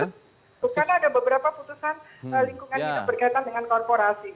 karena ada beberapa putusan lingkungan ini berkaitan dengan korporasi